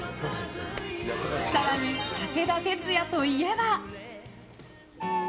更に武田鉄矢といえば。